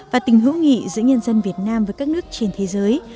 và tình hữu nghị giữa nhân dân việt nam với các nhân dân việt nam